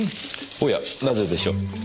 おやなぜでしょう？